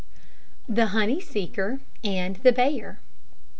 THE HONEY SEEKER AND THE BEAR.